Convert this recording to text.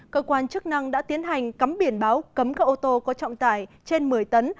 cơ quan chức năng đã tiến hành cấm biển báo cấm các ô tô có trọng tải trên một mươi tấn